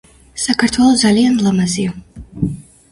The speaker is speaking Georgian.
საქართველო ძალიან ლამაზია